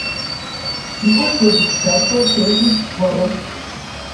Tiu produktado ĉesis pr.